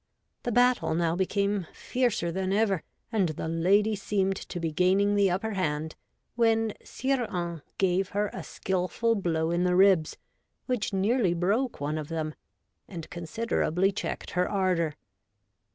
The battle now became fiercer than ever, and the lady seemed to be gaining the upper hand, when Sire Hains gave her a skilful blow in the ribs, which nearly broke one of them, and considerably checked her ardour.